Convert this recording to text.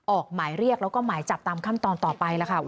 ออกหมายเรียกแล้วก็หมายจับตามขั้นตอนต่อไปแล้วค่ะ